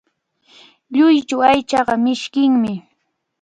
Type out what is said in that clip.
Lluychu aychaqa mishkinmi.